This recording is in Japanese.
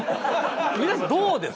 皆さんどうです？